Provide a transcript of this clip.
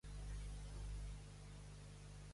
Velvet participa en la carrera amb el Peu?